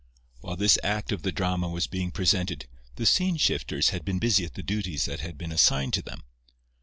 While this act of the drama was being presented, the scene shifters had been busy at the duties that had been assigned to them.